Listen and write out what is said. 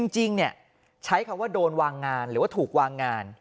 จริงใช้คำว่าโดนวางงานหรือว่าถูกวางงาน